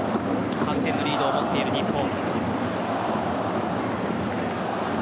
３点のリードを持っている日本。